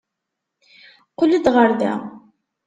Qqel-d ɣer da!